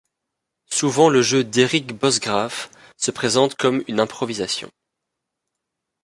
Souvent le jeu d’Erik Bosgraaf se présente comme une improvisation.